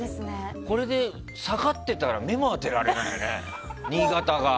これで下がってたら目も当てられないよね、新潟が。